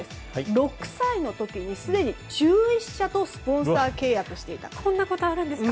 ６歳の時、すでに１１社とスポンサー契約していた。